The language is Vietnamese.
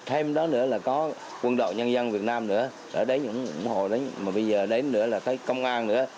thêm đó nữa là có quân đội nhân dân việt nam nữa đã đến những hội mà bây giờ đến nữa là thấy công an nữa